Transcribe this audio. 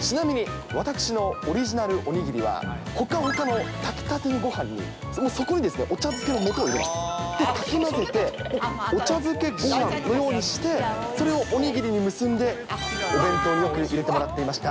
ちなみに私のオリジナルおにぎりは、ほかほかの炊きたてのごはんに、そこにお茶漬けのもとを入れ、かき混ぜてお茶漬けごはんのようにして、それをおにぎりに結んでお弁当によく入れてもらっていました。